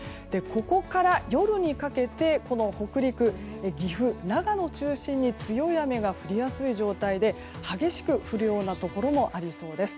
ここから、夜にかけてこの北陸、岐阜、長野中心に強い雨が降りやすい状態で激しく降るようなところもありそうです。